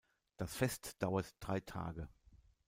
Das Fest dauert drei Tage.